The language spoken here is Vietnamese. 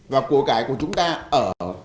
và cổ cải của chúng ta ở